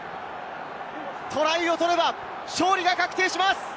トライを取れば勝利が確定します。